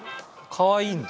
かわいいんだ。